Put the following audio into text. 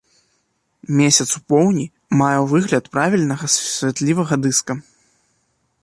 Месяц у поўні мае выгляд правільнага святлівага дыска.